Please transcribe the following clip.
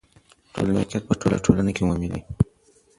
ټولنیز واقعیت په ټوله ټولنه کې عمومي دی.